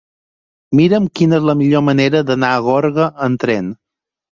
Mira'm quina és la millor manera d'anar a Gorga amb tren.